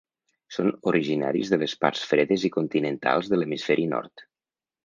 Són originaris de les parts fredes i continentals de l'hemisferi nord.